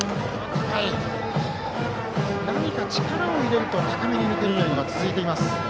何か力を入れると高めに抜けることが続いています。